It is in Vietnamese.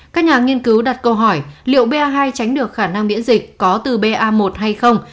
các nhà nghiên cứu đặt câu hỏi liệu ba hai tránh được khả năng biễn dịch có từ ba một hay không